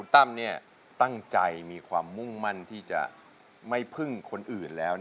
ตั้มตั้งใจมีความมุ่งมั่นที่จะไม่พึ่งคนอื่นแล้ว